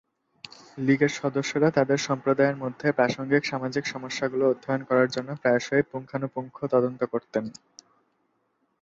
লীগের সদস্যরা তাদের সম্প্রদায়ের মধ্যে প্রাসঙ্গিক সামাজিক সমস্যাগুলি অধ্যয়ন করার জন্য প্রায়শই পুঙ্খানুপুঙ্খ তদন্ত করতেন।